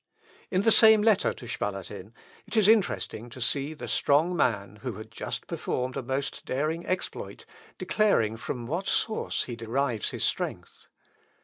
In the same letter to Spalatin, it is interesting to see the strong man, who had just performed a most daring exploit, declaring from what source he derives his strength.